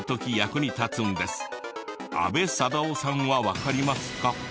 阿部サダヲさんはわかりますか？